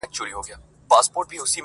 زه د غم تخم کرمه او ژوندی پر دنیا یمه!